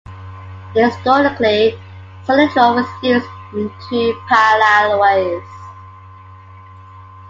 Historically, Solitreo was used in two parallel ways.